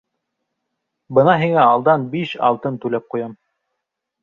Бына һиңә алдан биш алтын түләп ҡуям.